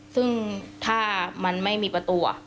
ซึ่งถ้ามันไม่มีประตู